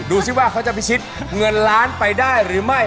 ดูสิว่าเขาจะพิชิตเงินล้านไปได้หรือไม่